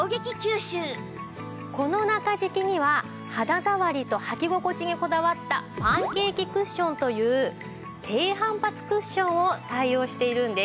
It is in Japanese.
この中敷きには肌触りと履き心地にこだわったパンケーキクッションという低反発クッションを採用しているんです。